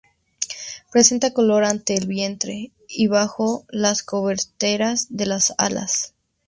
Presenta color ante en el vientre y bajo las coberteras de las alas.